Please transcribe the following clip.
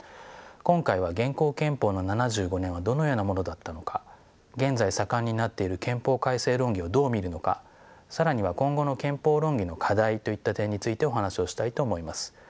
今回は現行憲法の７５年はどのようなものだったのか現在盛んになっている憲法改正論議をどう見るのか更には今後の憲法論議の課題といった点についてお話をしたいと思います。